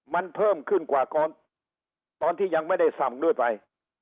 มันเพิ่มขึ้นกว่าตอนที่ยังไม่ได้สั่งด้วยไป